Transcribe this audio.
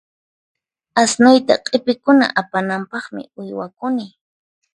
Asnuyta q'ipikuna apananpaqmi uywakuni.